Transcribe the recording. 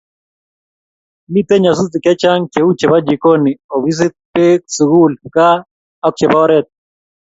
Mitei nyasutik che chang cheu chebo jikoni, ofisit, Bek, sukul, gaa ak chebo oret